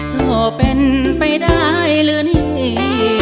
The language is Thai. เธอเป็นไปได้หรือนี่